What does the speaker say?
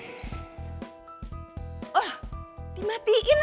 enak rasanya menjadi seorang laki laki kembali